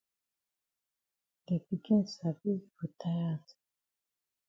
De pikin sabi for tie hat.